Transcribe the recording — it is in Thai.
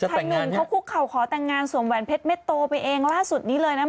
หนุ่มเขาคุกเข่าขอแต่งงานสวมแหวนเพชรเม็ดโตไปเองล่าสุดนี้เลยนะ